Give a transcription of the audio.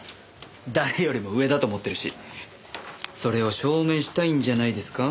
誰よりも上だと思ってるしそれを証明したいんじゃないですか？